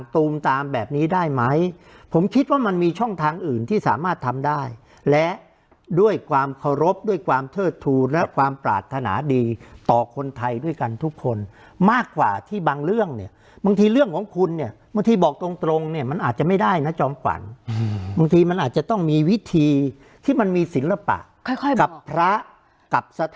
ตูมตามแบบนี้ได้ไหมผมคิดว่ามันมีช่องทางอื่นที่สามารถทำได้และด้วยความเคารพด้วยความเทิดทูลและความปรารถนาดีต่อคนไทยด้วยกันทุกคนมากกว่าที่บางเรื่องเนี่ยบางทีเรื่องของคุณเนี่ยบางทีบอกตรงตรงเนี่ยมันอาจจะไม่ได้นะจอมขวัญบางทีมันอาจจะต้องมีวิธีที่มันมีศิลปะกับพระกับสถ